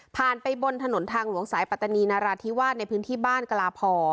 ไปบนถนนทางหลวงสายปัตตานีนาราธิวาสในพื้นที่บ้านกลาพอ